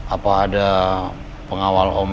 apa ada pengawal om